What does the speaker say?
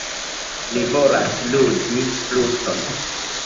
Mi volas ludi fluton.